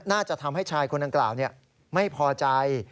น่าจะทำให้ชายคนดังกล่าวไม่พอใจ